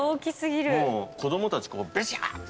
もう子供たちここべちゃって。